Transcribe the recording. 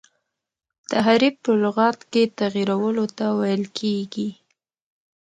تحریف په لغت کي تغیرولو ته ویل کیږي.